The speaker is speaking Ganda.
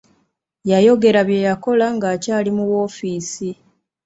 Yayogera bye yakola ng'akyali mu woofiisi.